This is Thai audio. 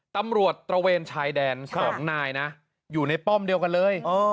ตำรวจตระเวนชายแดนสองนายนะอยู่ในป้อมเดียวกันเลยอ๋อ